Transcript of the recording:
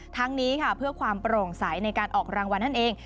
ทั้งนี้ค่ะเพื่อความโปร่งใสในการออกรางวัลนั่นเอง